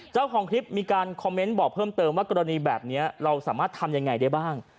เจ้าของคลิปมีการคอมเมนต์บอกเพิ่มเติมว่ากรณีแบบนี้เราสามารถทำยังไงได้บ้าง